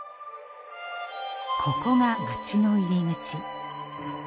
ここが街の入り口。